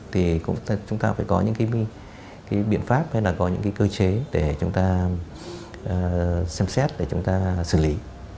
thì chúng ta phải có những cái biện pháp hay là có những cái cơ chế để chúng ta xem xét để chúng ta xử lý